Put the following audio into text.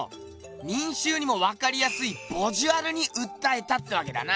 民衆にもわかりやすいボジュアルにうったえたってわけだな！